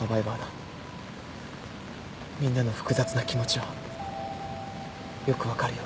みんなの複雑な気持ちはよく分かるよ